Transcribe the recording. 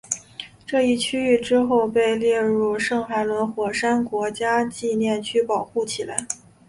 这一区域之后被列入圣海伦火山国家纪念区保护起来。